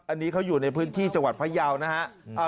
อันนี้เขาอยู่ในพื้นที่จังหวัดพยาวนะฮะ